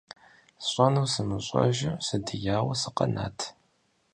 СщӀэнур сымыщӀэжу, сыдияуэ сыкъэнат.